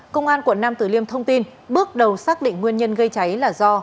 công an quận nam tử liêm thông tin bước đầu xác định nguyên nhân gây cháy là do